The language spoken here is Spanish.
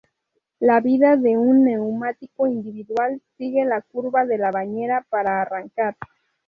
La vida de un neumático individual sigue la curva de la bañera, para arrancar.